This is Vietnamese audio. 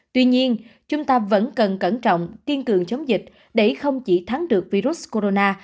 tuy nhiên chúng ta vẫn cần cẩn trọng kiên cường chống dịch để không chỉ thắng được virus corona